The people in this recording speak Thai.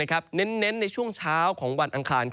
เน้นในช่วงเช้าของวันอังคาร